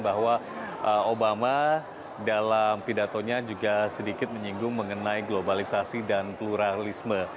bahwa obama dalam pidatonya juga sedikit menyinggung mengenai globalisasi dan pluralisme